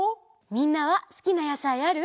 みんなはすきなやさいある？